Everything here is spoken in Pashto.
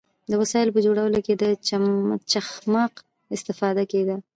د وسایلو په جوړولو کې له چخماق استفاده کیده.